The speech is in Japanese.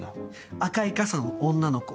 『赤い傘の女の子』